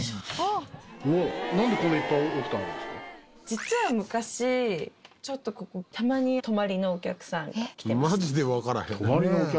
実は昔ちょっとここたまに泊まりのお客さんが来てました。